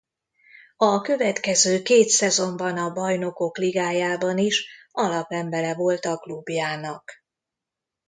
A következő két szezonban a Bajnokok Ligájában is alapembere volt a klubjának.